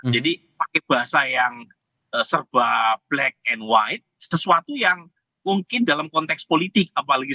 jadi pakai bahasa yang serba black and white sesuatu yang mungkin dalam konteks politik